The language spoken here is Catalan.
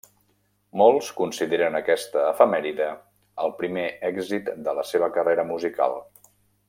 Molts consideren aquesta efemèride el primer èxit de la seva carrera musical.